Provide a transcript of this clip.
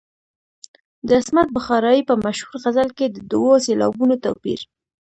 د عصمت بخارايي په مشهور غزل کې د دوو سېلابونو توپیر.